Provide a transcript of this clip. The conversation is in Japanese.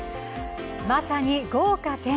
まさに豪華絢爛。